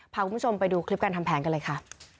พาคุณผู้ชมไปดูคลิปการทำแผนกันเลยค่ะ